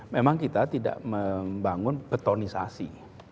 memang kita tidak membangun betonisasi